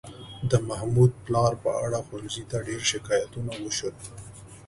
د محمود پلار په اړه ښوونځي ته ډېر شکایتونه وشول.